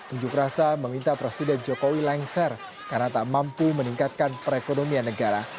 unjuk rasa meminta presiden jokowi lengser karena tak mampu meningkatkan perekonomian negara